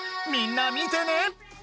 みんな見てね！